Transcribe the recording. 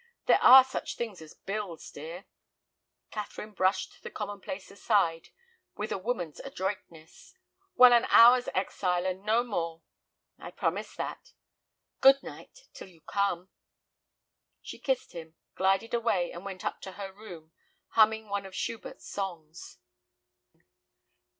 There are such things as bills, dear." Catherine brushed the commonplace aside with a woman's adroitness. "Well, an hour's exile, and no more." "I promise that." "Good night, till you come—" She kissed him, glided away, and went up to her room, humming one of Schubert's songs.